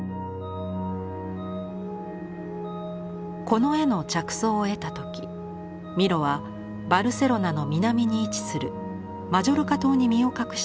この絵の着想を得た時ミロはバルセロナの南に位置するマジョルカ島に身を隠していました。